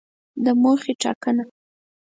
د موخې ټاکنه